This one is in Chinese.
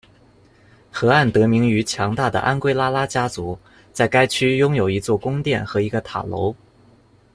河岸得名于强大的安圭拉拉家族，在该区拥有一座宫殿和一个塔楼。